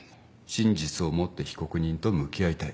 真実を持って被告人と向き合いたい。